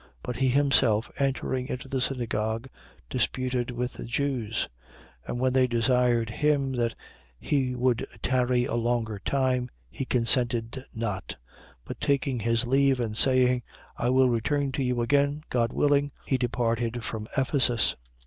But he himself, entering into the synagogue, disputed with the Jews. 18:20. And when they desired him that he would tarry a longer time, he consented not: 18:21. But taking his leave and saying: I will return to you again, God willing, he departed from Ephesus.